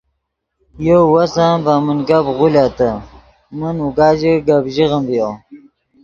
یو وس ام ڤے من گپ غولتے من اوگا ژے گپ ژیغیم ڤیو